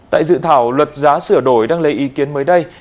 tại dự thảo luật giá sửa đổi đang lấy ý kiến mới đây